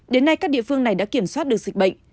đến nay các địa phương này đã kiểm soát được dịch bệnh